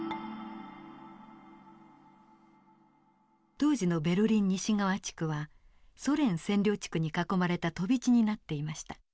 当時のベルリン西側地区はソ連占領地区に囲まれた飛び地になっていました。